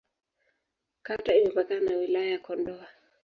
Kata imepakana na Wilaya ya Kondoa.